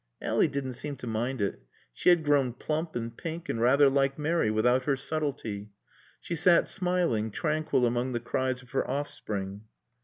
Ally didn't seem to mind it. She had grown plump and pink and rather like Mary without her subtlety. She sat smiling, tranquil among the cries of her offspring.